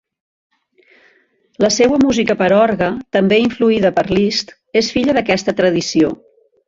La seua música per a orgue, també influïda per Liszt, és filla d'aquesta tradició.